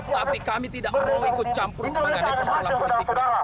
tapi kami tidak mau ikut campur dengan ekstrem politik